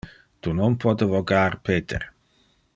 Tu non pote vocar Peter.